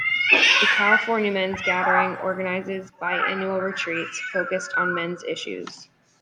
The California Men's Gathering organizes biannual retreats focused on men's issues.